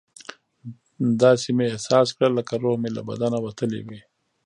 داسې مې احساس کړه لکه روح مې له بدنه وتلی وي.